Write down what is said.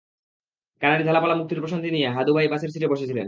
কানের ঝালাপালা মুক্তির প্রশান্তি নিয়ে হাদু ভাই বাসের সিটে বসে ছিলেন।